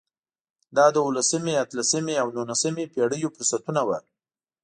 دا د اولسمې، اتلسمې او نولسمې پېړیو فرصتونه وو.